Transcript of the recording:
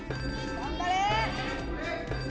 頑張れ！